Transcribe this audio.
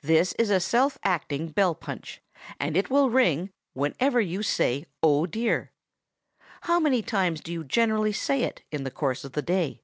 This is a self acting bell punch, and it will ring whenever you say "Oh, dear!" How many times do you generally say it in the course of the day?